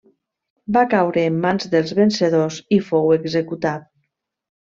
Va caure en mans dels vencedors i fou executat.